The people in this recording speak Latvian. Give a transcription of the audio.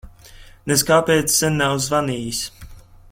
Nez kāpēc sen nav zvanījis.